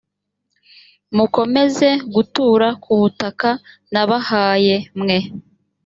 mukomeze gutura ku butaka nabahaye mwe